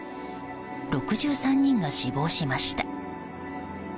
６３人が死亡しました。